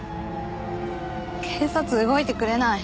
警察動いてくれない。